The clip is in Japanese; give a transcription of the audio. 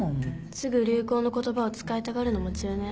すぐ流行の言葉を使いたがるのも中年。